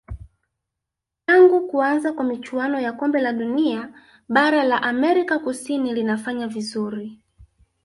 tangu kuanza kwa michuano ya kombe la dunia bara la amerika kusini linafanya vizuri